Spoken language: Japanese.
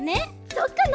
そっかな！